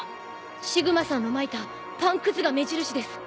シグマさんのまいたパンくずが目印です。